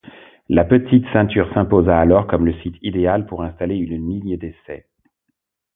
La Petite Ceinture s'imposa alors comme le site idéal pour installer une ligne d'essais.